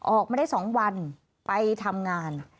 ออกมาได้๒วันไปทำงาน